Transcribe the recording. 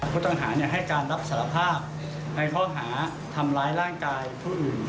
ผู้ต้องหาให้การรับสารภาพในข้อหาทำร้ายร่างกายผู้อื่น